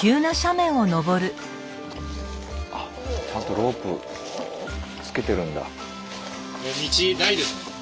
あちゃんとロープつけてるんだ。